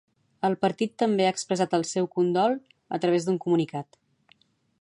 El partit també ha expressat el seu condol a través d'un comunicat.